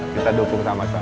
kita dukung sama sama